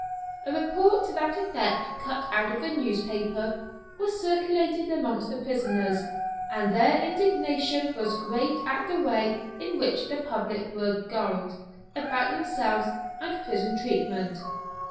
A report to that effect, cut out of a newspaper, was circulated amongst the prisoners, and their indignation was great at the way in which the public were "gulled" about themselves and prison treatment.